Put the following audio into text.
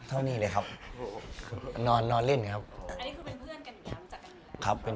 และยังมีลมพลวงตัวด้วยไงครับ๗คน